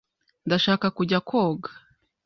Ndashaka kujya koga.